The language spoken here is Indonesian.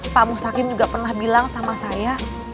pak mustakim juga pernah bilang sama saya